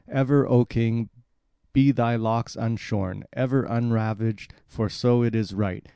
Ever, O king, be thy locks unshorn, ever unravaged; for so is it right.